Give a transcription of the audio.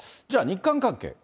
じゃあ、日韓関係。